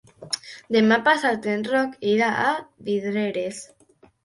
Demà passat en Roc irà a Vidreres.